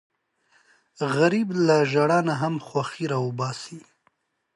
غریب له ژړا نه هم خوښي راوباسي